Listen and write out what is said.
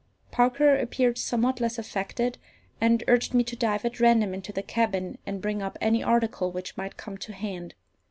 Parker appeared somewhat less affected, and urged me to dive at random into the cabin, and bring up any article which might come to hand.